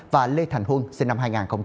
và lê thành huân sinh năm hai nghìn hai